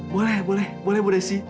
boleh boleh boleh ibu desi